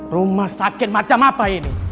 rumah sakit macam apa ini